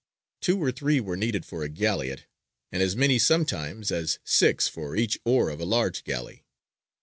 Two or three were needed for a galleot, and as many sometimes as six for each oar of a large galley.